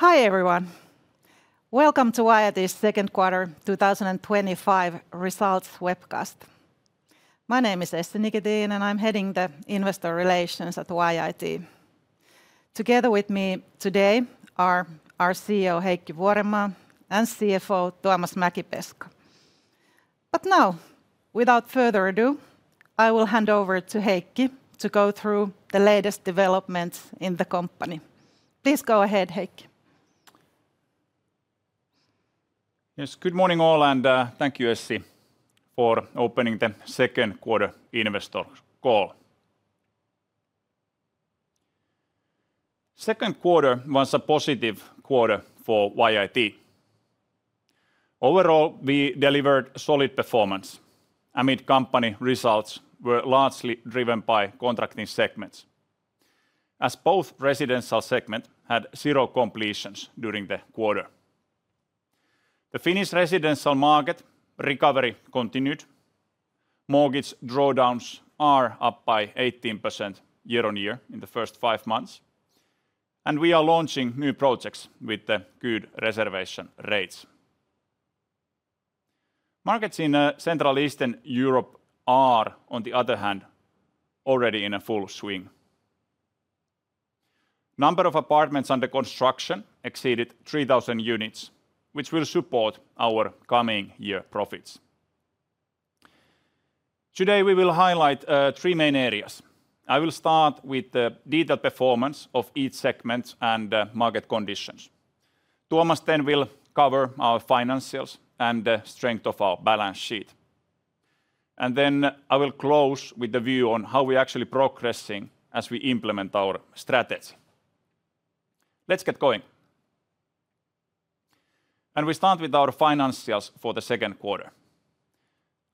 Hi, everyone. Welcome to YIT's Second Quarter 2025 Results Webcast. My name is Essi Nikitin and I'm heading the Investor Relations at YIT. Together with me today are our CEO, Heikki Vuorenmaa, and CFO, Tuomas Mäkipeska. Now, without further ado, I will hand over to Heikki to go through the latest developments in the company. Please go ahead, Heikki. Yes, good morning all, and thank you, Essi, for opening the second quarter investor call. Second quarter was a positive quarter for YIT. Overall, we delivered solid performance amid company results were largely driven by contracting segments, as both residential segments had zero completions during the quarter. The Finnish residential market recovery continued. Mortgage drawdowns are up by 18% year on year in the first five months, and we are launching new projects with good reservation rates. Markets in Central Eastern Europe are, on the other hand, already in a full swing. The number of apartments under construction exceeded 3,000 units, which will support our coming year profits. Today, we will highlight three main areas. I will start with the detailed performance of each segment and market conditions. Tuomas then will cover our financials and the strength of our balance sheet. I will close with a view on how we are actually progressing as we implement our strategy. Let's get going. We start with our financials for the second quarter.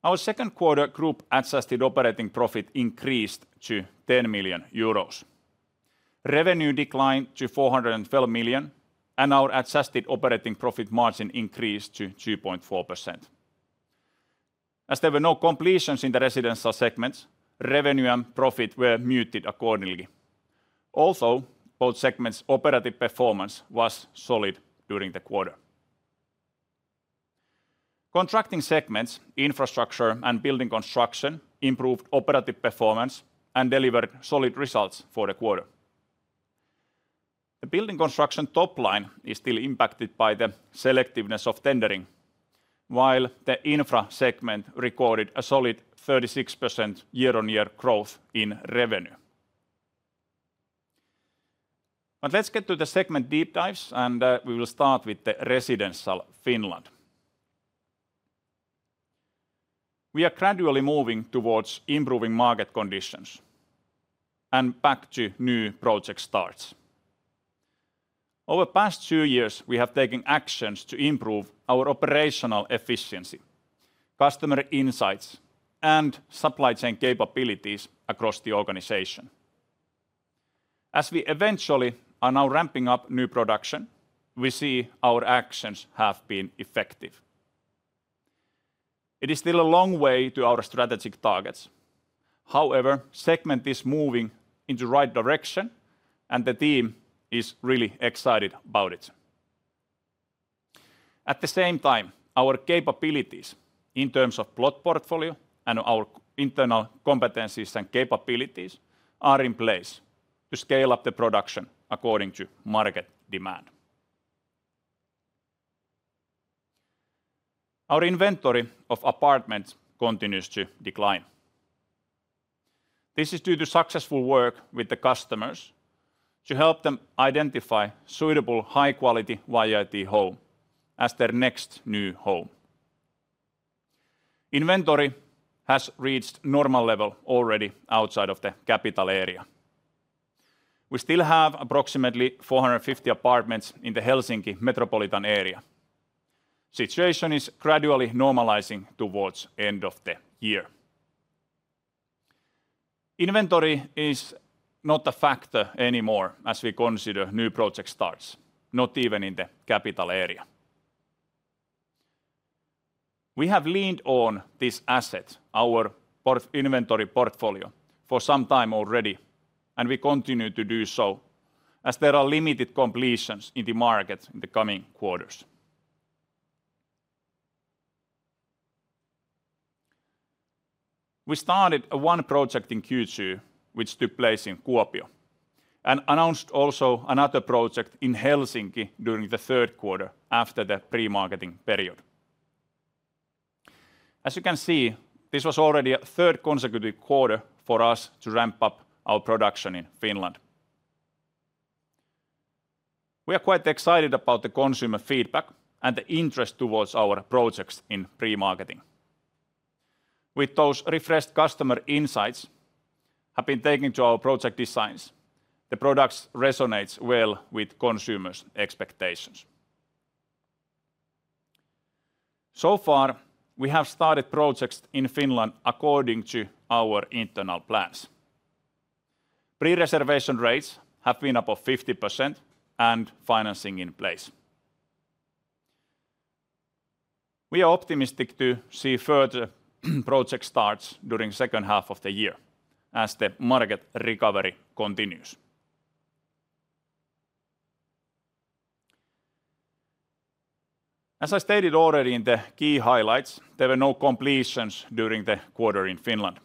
Our second quarter group adjusted operating profit increased to 10 million euros. Revenue declined to 412 million, and our adjusted operating profit margin increased to 2.4%. As there were no completions in the residential segments, revenue and profit were muted accordingly. Also, both segments' operative performance was solid during the quarter. Contracting segments, infrastructure, and building construction improved operative performance and delivered solid results for the quarter. The building construction top line is still impacted by the selectiveness of tendering, while the infra segment recorded a solid 36% year on year growth in revenue. Let's get to the segment deep dives, and we will start with the residential Finland. We are gradually moving towards improving market conditions and back to new project starts. Over the past two years, we have taken actions to improve our operational efficiency, customer insights, and supply chain capabilities across the organization. As we eventually are now ramping up new production, we see our actions have been effective. It is still a long way to our strategic targets. However, the segment is moving in the right direction, and the team is really excited about it. At the same time, our capabilities in terms of plot portfolio and our internal competencies and capabilities are in place to scale up the production according to market demand. Our inventory of apartments continues to decline. This is due to successful work with the customers to help them identify a suitable high-quality YIT home as their next new home. Inventory has reached a normal level already outside of the capital area. We still have approximately 450 apartments in the Helsinki metropolitan area. The situation is gradually normalizing towards the end of the year. Inventory is not a factor anymore as we consider new project starts, not even in the capital area. We have leaned on these assets, our inventory portfolio, for some time already, and we continue to do so as there are limited completions in the market in the coming quarters. We started one project in Q2, which took place in Kuopio, and announced also another project in Helsinki during the third quarter after the pre-marketing period. As you can see, this was already a third consecutive quarter for us to ramp up our production in Finland. We are quite excited about the consumer feedback and the interest towards our projects in pre-marketing. With those refreshed customer insights that have been taken to our project designs, the products resonate well with consumers' expectations. So far, we have started projects in Finland according to our internal plans. Pre-reservation rates have been up to 50% and financing in place. We are optimistic to see further project starts during the second half of the year as the market recovery continues. As I stated already in the key highlights, there were no completions during the quarter in Finland.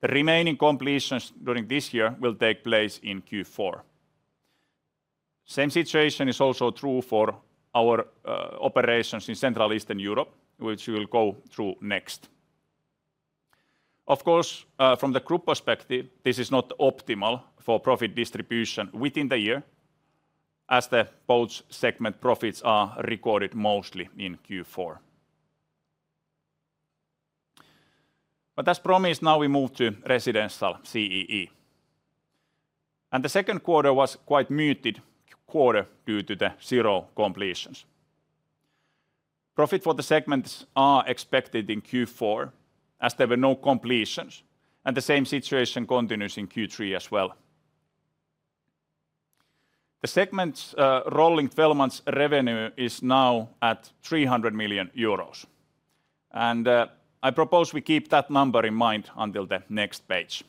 The remaining completions during this year will take place in Q4. The same situation is also true for our operations in Central Eastern Europe, which we will go through next. Of course, from the group perspective, this is not optimal for profit distribution within the year as both segments' profits are recorded mostly in Q4. As promised, now we move to residential CEE. The second quarter was quite a muted quarter due to the zero completions. Profit for the segments is expected in Q4 as there were no completions, and the same situation continues in Q3 as well. The segment's rolling 12-month revenue is now at 300 million euros, and I propose we keep that number in mind until the next page.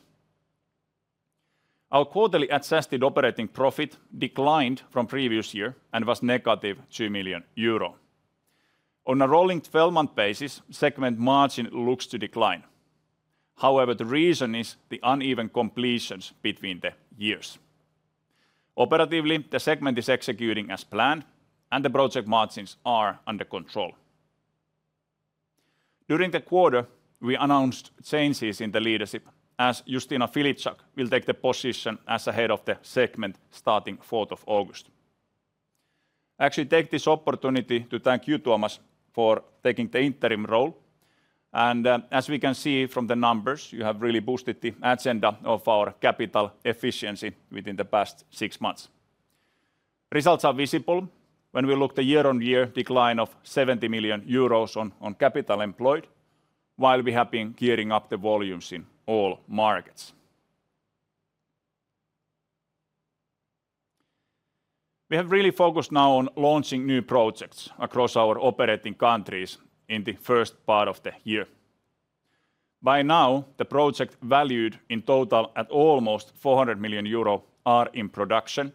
Our quarterly assessed operating profit declined from the previous year and was -2 million euro. On a rolling 12-month basis, the segment margin looks to decline. However, the reason is the uneven completions between the years. Operatively, the segment is executing as planned, and the project margins are under control. During the quarter, we announced changes in the leadership as Justyna Filipczak will take the position as the Head of the segment starting the 4th of August. I actually take this opportunity to thank you, Tuomas, for taking the interim role. As we can see from the numbers, you have really boosted the agenda of our capital efficiency within the past six months. Results are visible when we look at the year-on-year decline of 70 million euros on capital employed, while we have been gearing up the volumes in all markets. We have really focused now on launching new projects across our operating countries in the first part of the year. By now, the projects valued in total at almost 400 million euro are in production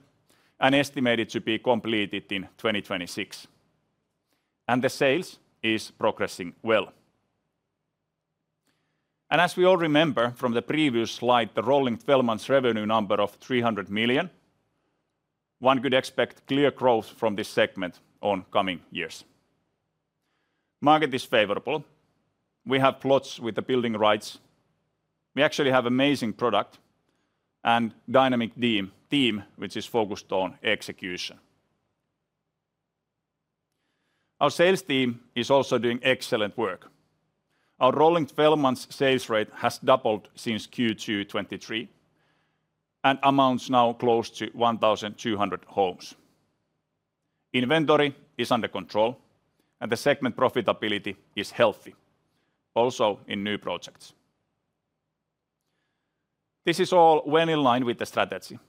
and estimated to be completed in 2026. The sales are progressing well. As we all remember from the previous slide, the rolling 12-month revenue number of 300 million, one could expect clear growth from this segment in the coming years. The market is favorable. We have plots with the building rights. We actually have an amazing product and a dynamic team, which is focused on execution. Our sales team is also doing excellent work. Our rolling 12-month sales rate has doubled since Q2 2023, and it amounts now close to 1,200 homes. Inventory is under control, and the segment profitability is healthy, also in new projects. This is all well in line with the strategy,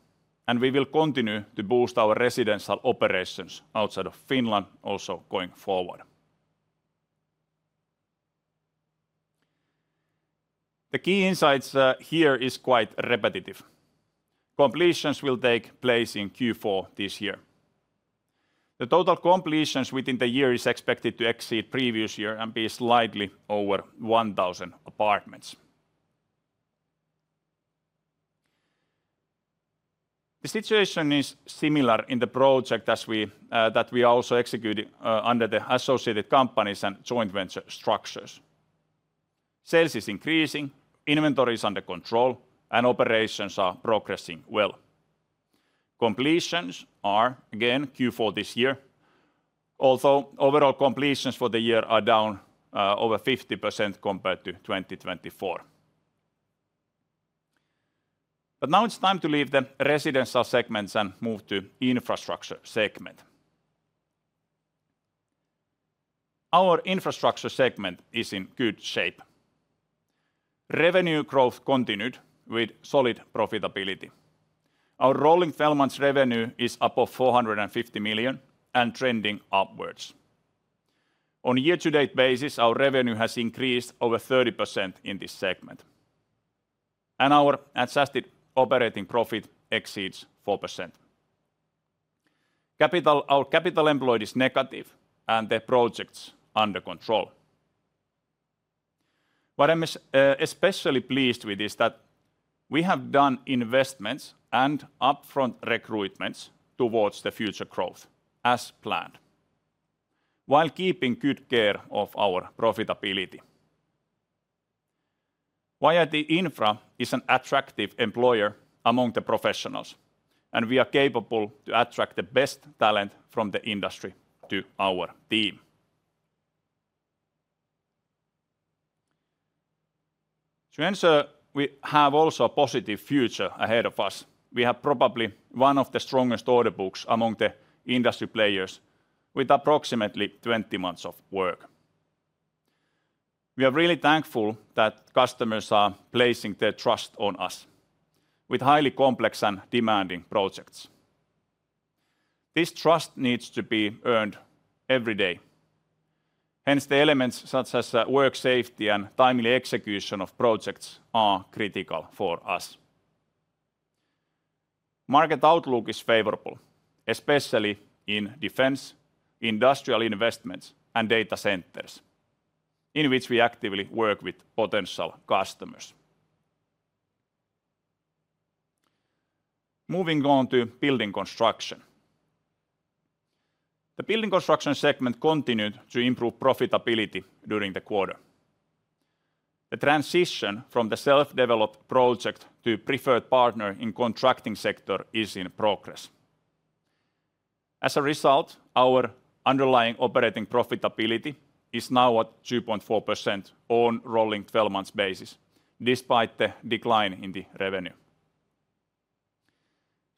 and we will continue to boost our residential operations outside of Finland also going forward. The key insights here are quite repetitive. Completions will take place in Q4 this year. The total completions within the year are expected to exceed the previous year and be slightly over 1,000 apartments. The situation is similar in the project that we are also executing under the associated companies and joint venture structures. Sales are increasing, inventory is under control, and operations are progressing well. Completions are again Q4 this year, although overall completions for the year are down over 50% compared to 2024. Now it's time to leave the residential segments and move to the infrastructure segment. Our infrastructure segment is in good shape. Revenue growth continued with solid profitability. Our rolling 12-month revenue is up to 450 million and trending upwards. On a year-to-date basis, our revenue has increased over 30% in this segment, and our assessed operating profit exceeds 4%. Our capital employed is negative, and the project is under control. What I'm especially pleased with is that we have done investments and upfront recruitments towards the future growth as planned, while keeping good care of our profitability. YIT Infra is an attractive employer among the professionals, and we are capable to attract the best talent from the industry to our team. To answer, we have also a positive future ahead of us. We have probably one of the strongest order books among the industry players with approximately 20 months of work. We are really thankful that customers are placing their trust on us with highly complex and demanding projects. This trust needs to be earned every day. Hence, the elements such as work safety and timely execution of projects are critical for us. Market outlook is favorable, especially in defense, industrial investments, and data centers, in which we actively work with potential customers. Moving on to building construction. The building construction segment continued to improve profitability during the quarter. The transition from the self-developed project to a preferred partner in the contracting sector is in progress. As a result, our underlying operating profitability is now at 2.4% on a rolling 12-month basis, despite the decline in the revenue.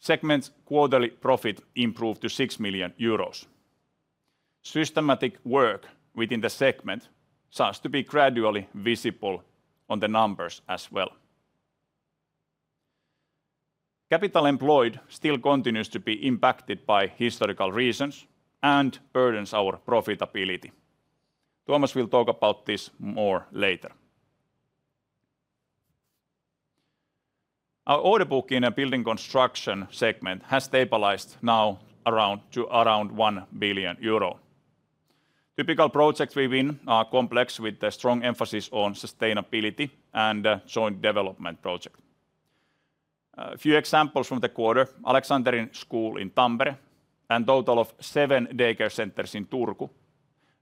The segment's quarterly profit improved to 6 million euros. Systematic work within the segment starts to be gradually visible on the numbers as well. Capital employed still continues to be impacted by historical reasons and burdens our profitability. Tuomas will talk about this more later. Our order book in the building construction segment has stabilized now to around 1 billion euro. Typical projects we win are complex with a strong emphasis on sustainability and joint development projects. A few examples from the quarter: Aleksanterin School in Tampere and a total of seven daycare centers in Turku,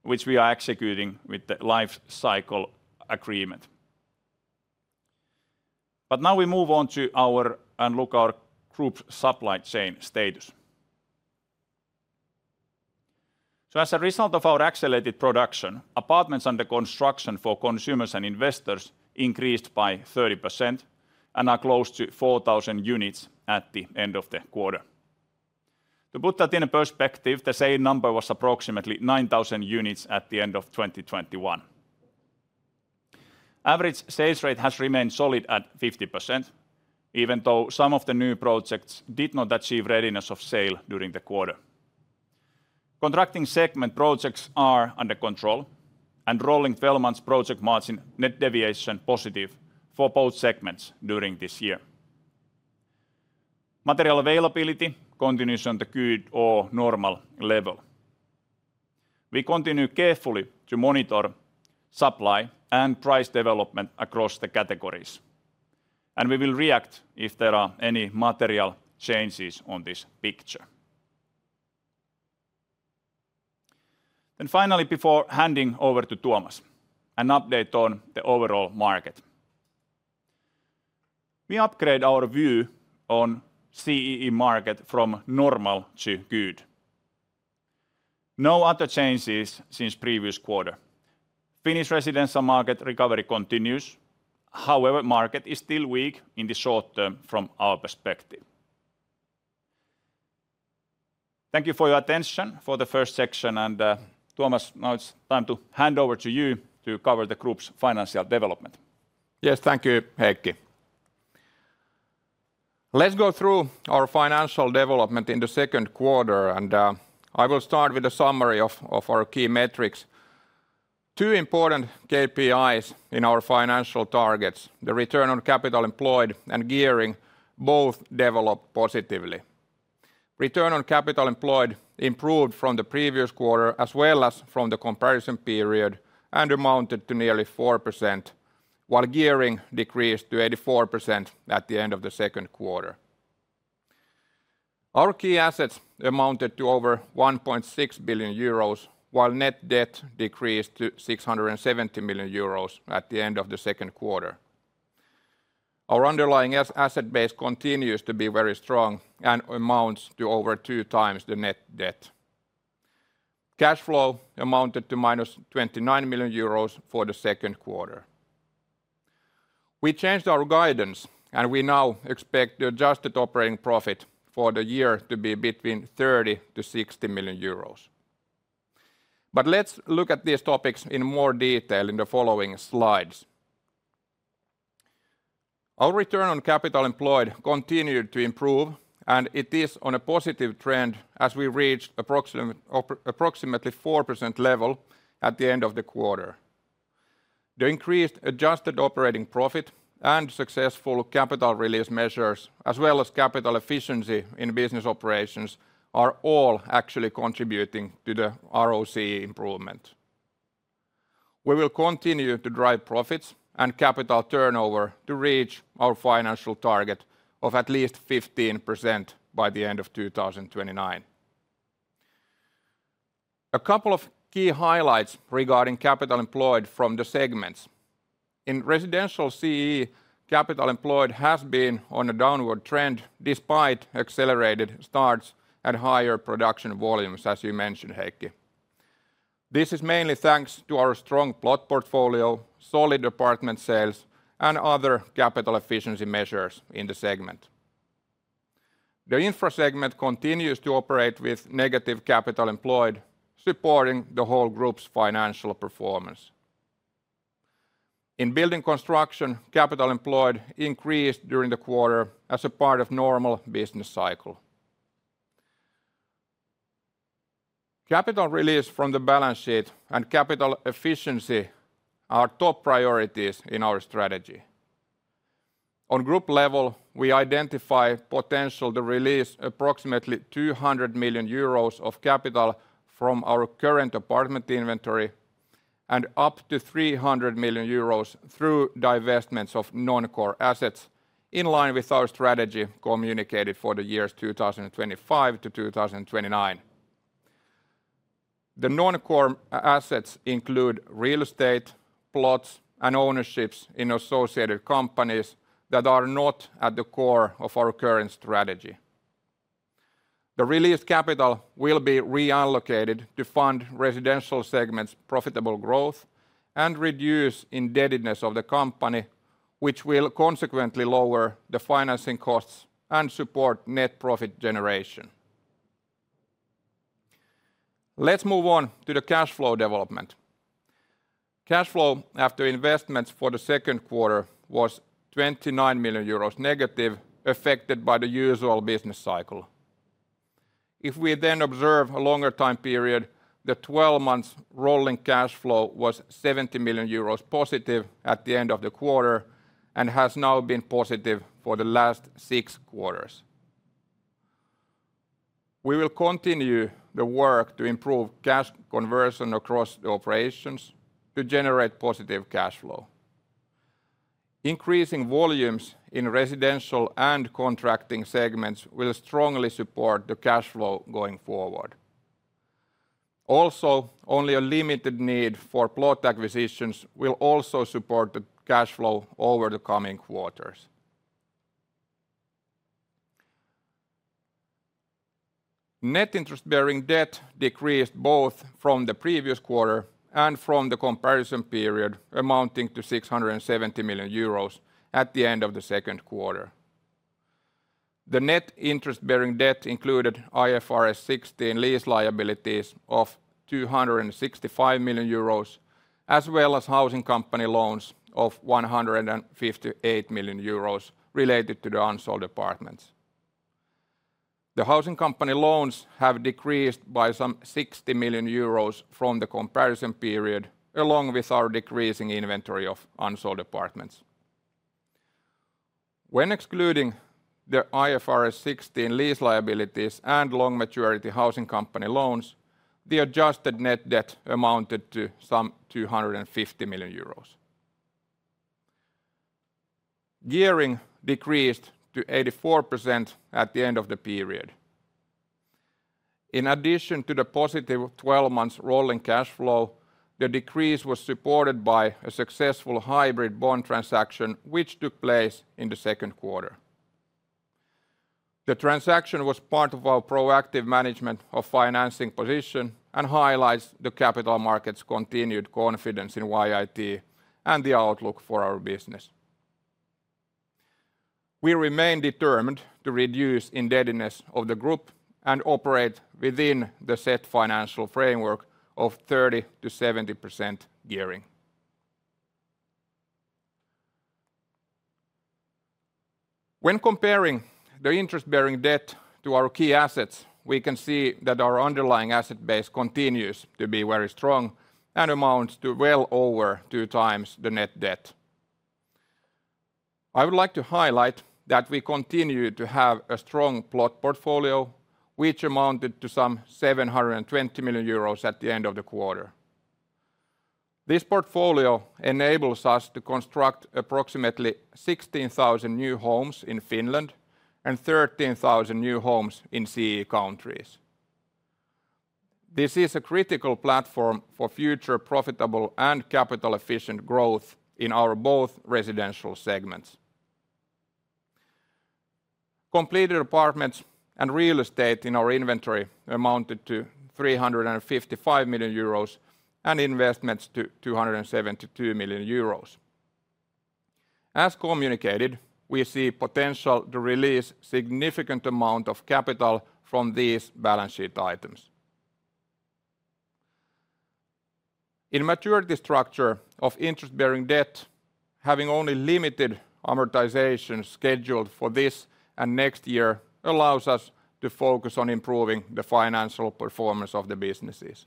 which we are executing with the life cycle agreement. Now we move on to our and look at our group's supply chain status. As a result of our accelerated production, apartments under construction for consumers and investors increased by 30% and are close to 4,000 units at the end of the quarter. To put that in perspective, the sale number was approximately 9,000 units at the end of 2021. The average sales rate has remained solid at 50%, even though some of the new projects did not achieve readiness of sale during the quarter. Contracting segment projects are under control, and rolling 12-month project margin net deviation is positive for both segments during this year. Material availability continues on the good or normal level. We continue carefully to monitor supply and price development across the categories, and we will react if there are any material changes on this picture. Finally, before handing over to Tuomas, an update on the overall market. We upgraded our view on the CEE market from normal to good. No other changes since the previous quarter. The Finnish residential market recovery continues. However, the market is still weak in the short term from our perspective. Thank you for your attention for the first section, and Tuomas, now it's time to hand over to you to cover the group's financial development. Yes, thank you, Heikki. Let's go through our financial development in the second quarter, and I will start with a summary of our key metrics. Two important KPIs in our financial targets, the return on capital employed and gearing, both developed positively. The return on capital employed improved from the previous quarter as well as from the comparison period and amounted to nearly 4%, while gearing decreased to 84% at the end of the second quarter. Our key assets amounted to over 1.6 billion euros, while net debt decreased to 670 million euros at the end of the second quarter. Our underlying asset base continues to be very strong and amounts to over two times the net debt. Cash flow amounted to -29 million euros for the second quarter. We changed our guidance, and we now expect the adjusted operating profit for the year to be between 30 million-60 million euros. Let's look at these topics in more detail in the following slides. Our return on capital employed continued to improve, and it is on a positive trend as we reached approximately a 4% level at the end of the quarter. The increased adjusted operating profit and successful capital release measures, as well as capital efficiency in business operations, are all actually contributing to the ROC improvement. We will continue to drive profits and capital turnover to reach our financial target of at least 15% by the end of 2029. A couple of key highlights regarding capital employed from the segments. In residential CEE, capital employed has been on a downward trend despite accelerated starts and higher production volumes, as you mentioned, Heikki. This is mainly thanks to our strong plot portfolio, solid apartment sales, and other capital efficiency measures in the segment. The infra segment continues to operate with negative capital employed, supporting the whole group's financial performance. In building construction, capital employed increased during the quarter as a part of the normal business cycle. Capital release from the balance sheet and capital efficiency are top priorities in our strategy. On the group level, we identify the potential to release approximately 200 million euros of capital from our current apartment inventory and up to 300 million euros through divestments of non-core assets in line with our strategy communicated for the years 2025 to 2029. The non-core assets include real estate, plots, and ownerships in associated companies that are not at the core of our current strategy. The released capital will be reallocated to fund residential segments' profitable growth and reduce indebtedness of the company, which will consequently lower the financing costs and support net profit generation. Let's move on to the cash flow development. Cash flow after investments for the second quarter was 29 million euros negative, affected by the usual business cycle. If we then observe a longer time period, the 12-month rolling cash flow was 70 million euros positive at the end of the quarter and has now been positive for the last six quarters. We will continue the work to improve cash conversion across the operations to generate positive cash flow. Increasing volumes in residential and contracting segments will strongly support the cash flow going forward. Also, only a limited need for plot acquisitions will also support the cash flow over the coming quarters. Net interest-bearing debt decreased both from the previous quarter and from the comparison period, amounting to 670 million euros at the end of the second quarter. The net interest-bearing debt included IFRS 16 lease liabilities of 265 million euros, as well as housing company loans of 158 million euros related to the unsold apartments. The housing company loans have decreased by some 60 million euros from the comparison period, along with our decreasing inventory of unsold apartments. When excluding the IFRS 16 lease liabilities and long maturity housing company loans, the adjusted net debt amounted to some 250 million euros. Gearing decreased to 84% at the end of the period. In addition to the positive 12-month rolling cash flow, the decrease was supported by a successful hybrid bond transaction, which took place in the second quarter. The transaction was part of our proactive management of the financing position and highlights the capital market's continued confidence in YIT and the outlook for our business. We remain determined to reduce indebtedness of the group and operate within the set financial framework of 30%-70% gearing. When comparing the interest-bearing debt to our key assets, we can see that our underlying asset base continues to be very strong and amounts to well over two times the net debt. I would like to highlight that we continue to have a strong plot portfolio, which amounted to approximately 720 million euros at the end of the quarter. This portfolio enables us to construct approximately 16,000 new homes in Finland and 13,000 new homes in CEE countries. This is a critical platform for future profitable and capital-efficient growth in both our residential segments. Completed apartments and real estate in our inventory amounted to 355 million euros and investments to 272 million euros. As communicated, we see the potential to release a significant amount of capital from these balance sheet items. In the maturity structure of interest-bearing debt, having only limited amortization scheduled for this and next year allows us to focus on improving the financial performance of the businesses.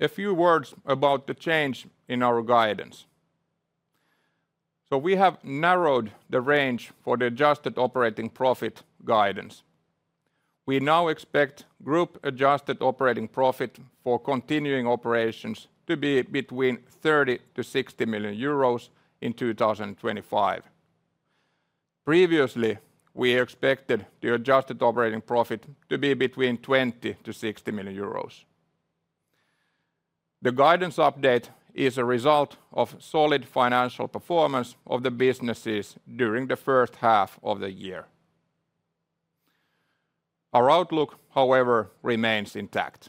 A few words about the change in our guidance. We have narrowed the range for the adjusted operating profit guidance. We now expect the group adjusted operating profit for continuing operations to be between 30 million-60 million euros in 2025. Previously, we expected the adjusted operating profit to be between 20 million-60 million euros. The guidance update is a result of solid financial performance of the businesses during the first half of the year. Our outlook, however, remains intact.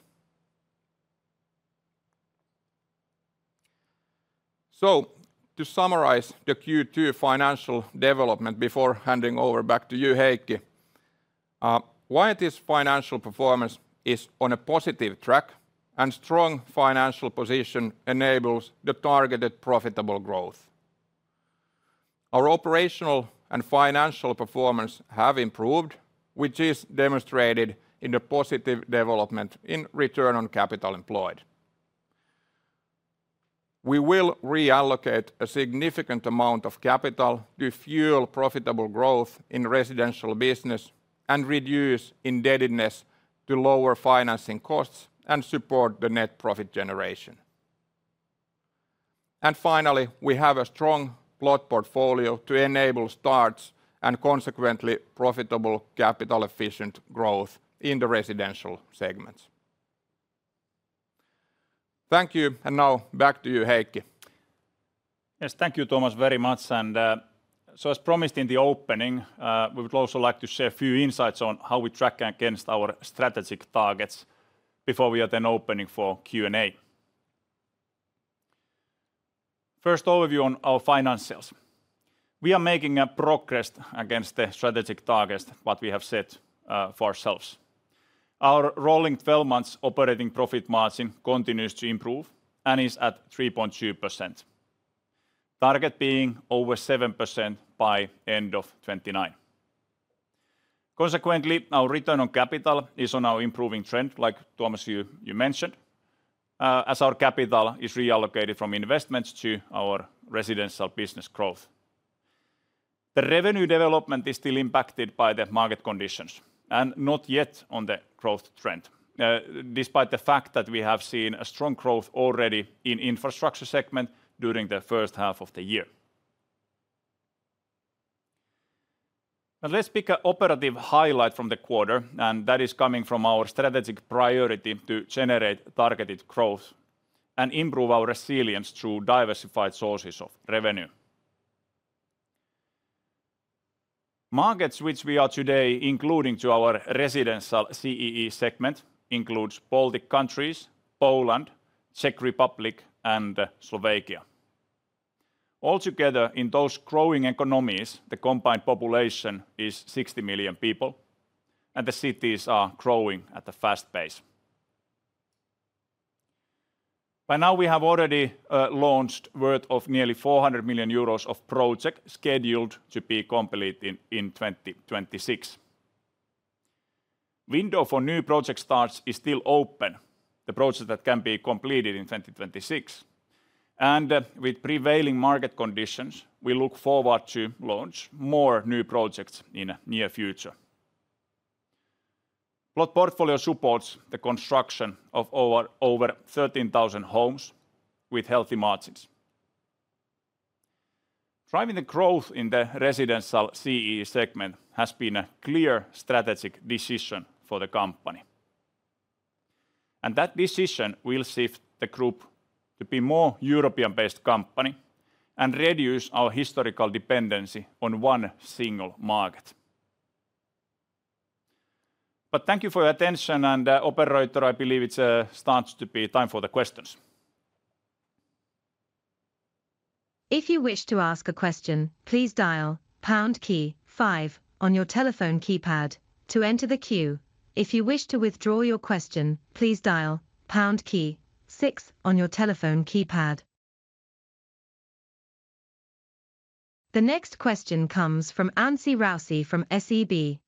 To summarize the Q2 financial development before handing over back to you, Heikki, YIT's financial performance is on a positive track, and a strong financial position enables the targeted profitable growth. Our operational and financial performance have improved, which is demonstrated in the positive development in return on capital employed. We will reallocate a significant amount of capital to fuel profitable growth in the residential business and reduce indebtedness to lower financing costs and support the net profit generation. Finally, we have a strong plot portfolio to enable starts and consequently profitable capital-efficient growth in the residential segments. Thank you, and now back to you, Heikki. Yes, thank you, Tuomas, very much. As promised in the opening, we would also like to share a few insights on how we track against our strategic targets before we open for Q&A. First, an overview on our financials. We are making progress against the strategic targets that we have set for ourselves. Our rolling 12-month operating profit margin continues to improve and is at 3.2%, target being over 7% by the end of 2029. Consequently, our return on capital is on an improving trend, like Tuomas, you mentioned, as our capital is reallocated from investments to our residential business growth. The revenue development is still impacted by the market conditions and not yet on the growth trend, despite the fact that we have seen a strong growth already in the infrastructure segment during the first half of the year. Let's pick an operative highlight from the quarter, and that is coming from our strategic priority to generate targeted growth and improve our resilience through diversified sources of revenue. The markets which we are today including to our residential CEE segment include Baltic countries, Poland, the Czech Republic, and Slovakia. Altogether, in those growing economies, the combined population is 60 million people, and the cities are growing at a fast pace. By now, we have already launched a worth of nearly 400 million euros of projects scheduled to be complete in 2026. The window for new project starts is still open, the projects that can be completed in 2026. With prevailing market conditions, we look forward to launching more new projects in the near future. The plot portfolio supports the construction of over 13,000 homes with healthy margins. Driving the growth in the residential CEE segment has been a clear strategic decision for the company, and that decision will shift the group to be a more European-based company and reduce our historical dependency on one single market. Thank you for your attention, and operator, I believe it's starting to be time for the questions. If you wish to ask a question, please dial pound key five on your telephone keypad to enter the queue. If you wish to withdraw your question, please dial pound key six on your telephone keypad. The next question comes from Anssi Raussi from SEB.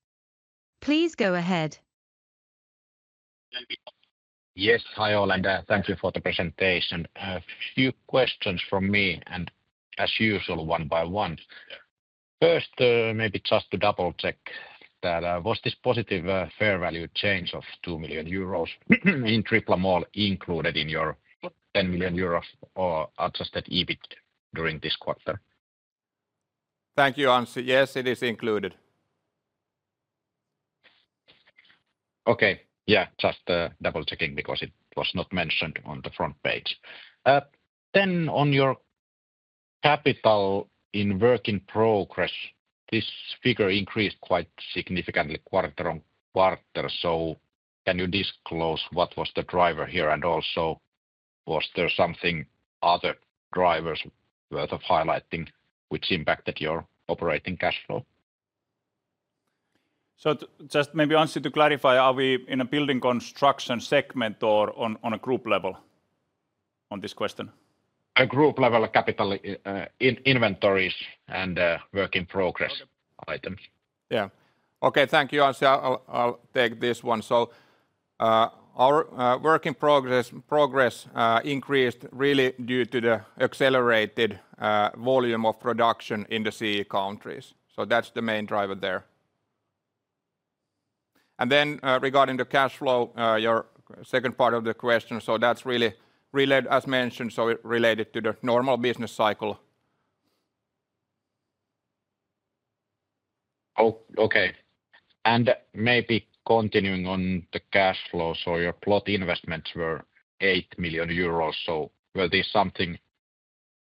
Please go ahead. Yes, hi all, and thank you for the presentation. A few questions from me, and as usual, one by one. First, maybe just to double-check, was this positive fair value change of 2 million euros in Tripla Mall included in your 10 million euros adjusted EBIT during this quarter? Thank you, Anssi. Yes, it is included. Okay, yeah, just double-checking because it was not mentioned on the front page. On your capital in work in progress, this figure increased quite significantly quarter on quarter. Can you disclose what was the driver here, and also were there other drivers worth highlighting which impacted your operating cash flow? Maybe Anssi, to clarify, are we in a building construction segment or on a group level on this question? A group level capital in inventories and work in progress items. Yeah, okay, thank you, Anssi. I'll take this one. Our work in progress increased really due to the accelerated volume of production in the CEE countries. That's the main driver there. Regarding the cash flow, your second part of the question, that's really, as mentioned, related to the normal business cycle. Okay, maybe continuing on the cash flow. Your plot investments were 8 million euros. Will this be something,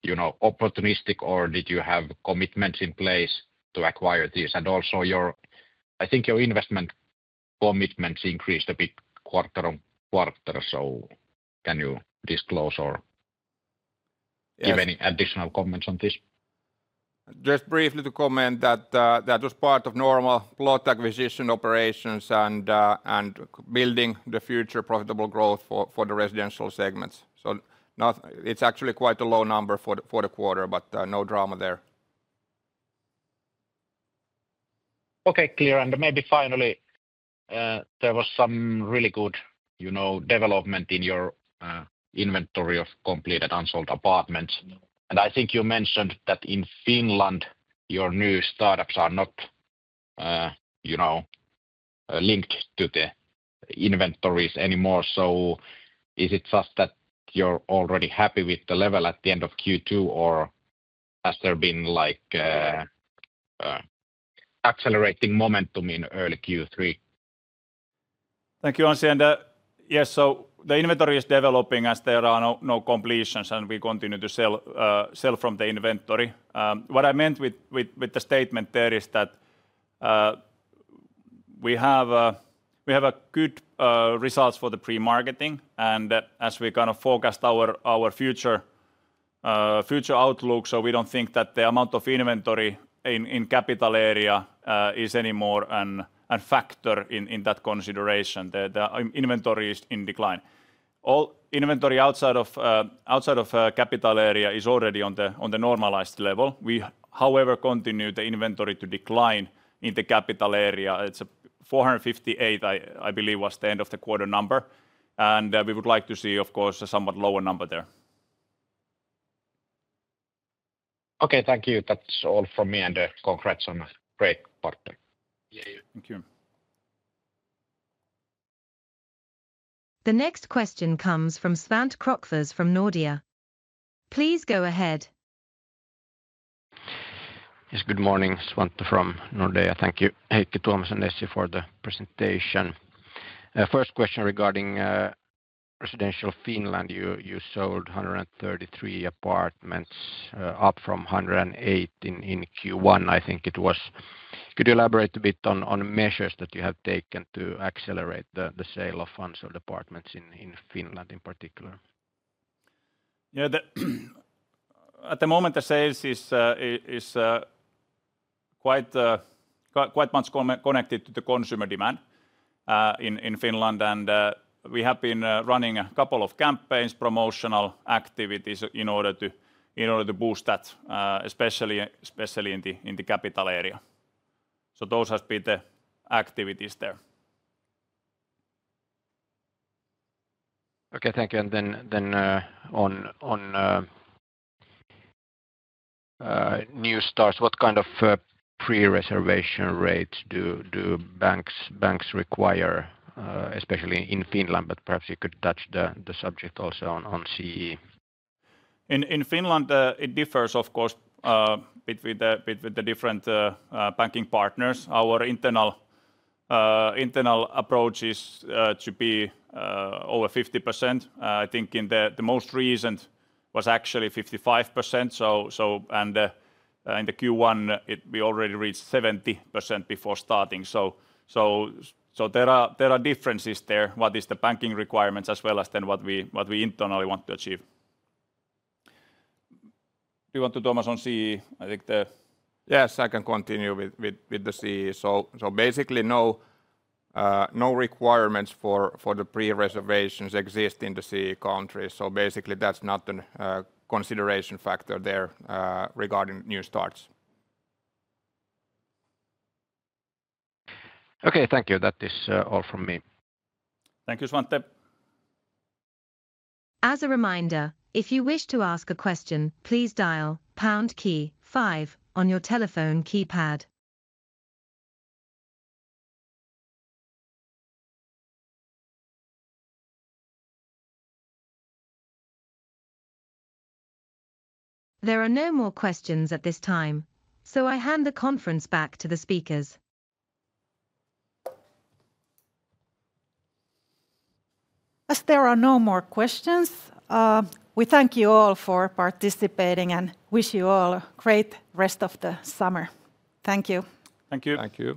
you know, opportunistic, or did you have commitments in place to acquire these? Also, I think your investment commitments increased a bit quarter on quarter. Can you disclose or give any additional comments on this? Just briefly to comment that was part of normal plot acquisition operations and building the future profitable growth for the residential segments. It's actually quite a low number for the quarter, but no drama there. Okay, clear. Maybe finally, there was some really good development in your inventory of completed unsold apartments. I think you mentioned that in Finland, your new startups are not linked to the inventories anymore. Is it just that you're already happy with the level at the end of Q2, or has there been like accelerating momentum in early Q3? Thank you, Anssi. Yes, the inventory is developing as there are no completions, and we continue to sell from the inventory. What I meant with the statement there is that we have good results for the pre-marketing, and as we kind of focused our future outlook, we don't think that the amount of inventory in the capital area is any more a factor in that consideration. The inventory is in decline. All inventory outside of the capital area is already on the normalized level. We, however, continue the inventory to decline in the capital area. It's 458, I believe, was the end of the quarter number, and we would like to see, of course, a somewhat lower number there. Okay, thank you. That's all from me, and congrats on a great quarter. Thank you. The next question comes from Svante Krokfors from Nordea. Please go ahead. Yes, good morning, Svante from Nordea. Thank you, Heikki, Tuomas, and Essi for the presentation. First question regarding residential Finland. You sold 133 apartments, up from 108 in Q1, I think it was. Could you elaborate a bit on measures that you have taken to accelerate the sale of unsold apartments in Finland in particular? Yeah, at the moment, the sales is quite much connected to the consumer demand in Finland, and we have been running a couple of campaigns, promotional activities in order to boost that, especially in the capital area. Those have been the activities there. Okay, thank you. On new starts, what kind of pre-reservation rates do banks require, especially in Finland? Perhaps you could touch the subject also on CEE? In Finland, it differs, of course, between the different banking partners. Our internal approach is to be over 50%. I think in the most recent, it was actually 55%. In Q1, we already reached 70% before starting. There are differences there, what is the banking requirements as well as then what we internally want to achieve. If you want to, Tuomas, on CEE, I think the... Yeah, I can continue with the CEE. Basically, no requirements for the pre-reservations exist in the CEE countries. That's not a consideration factor there regarding new starts. Okay, thank you. That is all from me. Thank you, Svante. As a reminder, if you wish to ask a question, please dial the pound key five on your telephone keypad. There are no more questions at this time, so I hand the conference back to the speakers. As there are no more questions, we thank you all for participating and wish you all a great rest of the summer. Thank you. Thank you. Thank you.